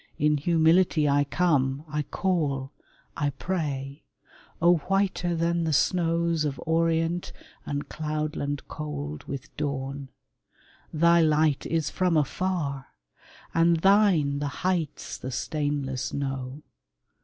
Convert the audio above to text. In humility I come, I call, I pray, O whiter than the snows Of orient and cloudland cold with dawn! S6 TASSO TO LEONORA Thy light is from afar, and thine the heights The stainless know.